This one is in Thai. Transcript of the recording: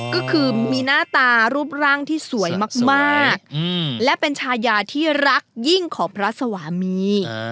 ก็คือมีหน้าตารูปร่างที่สวยมากและเป็นชายาที่รักยิ่งของพระสวามี